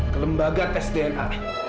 ke lembaga tes dna